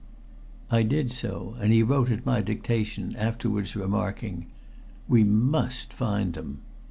I did so, and he wrote at my dictation, afterwards remarking "We must find them."